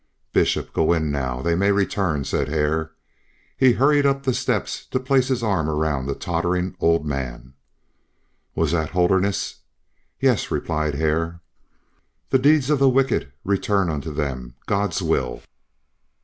"Bishop, go in now. They may return," said Hare. He hurried up the steps to place his arm round the tottering old man. "Was that Holderness?" "Yes," replied Hare. "The deeds of the wicked return unto them! God's will!"